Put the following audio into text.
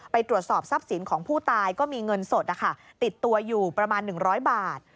ไปตรวจสอบทรัพย์สินของผู้ตายก็มีเงินสดติดตัวอยู่ประมาณ๑๐๐บาท